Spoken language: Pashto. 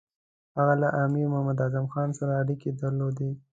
هغه له امیر محمد اعظم خان سره اړیکې درلودې.